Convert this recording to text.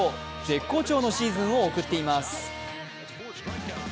絶好調のシーズンを送っています。